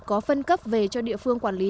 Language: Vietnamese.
có phân cấp về cho địa phương quản lý